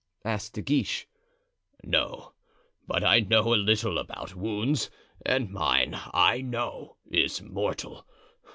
asked De Guiche. "No, but I know a little about wounds, and mine, I know, is mortal.